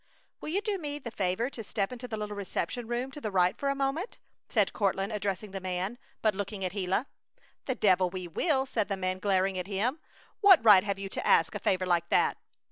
"Will you do me the favor to step into the little reception room to the right for a moment?" said Courtland, addressing the man, but looking at Gila. "The devil we will!" said the man, glaring at him. "What right have you to ask a favor like that?"